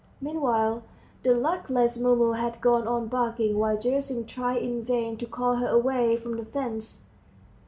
Meanwhile the luckless Mumu had gone on barking, while Gerasim tried in vain to call her away, from the fence.